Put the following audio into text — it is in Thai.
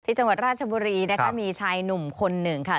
จังหวัดราชบุรีนะคะมีชายหนุ่มคนหนึ่งค่ะ